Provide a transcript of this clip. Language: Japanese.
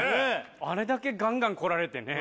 あれだけガンガンこられてね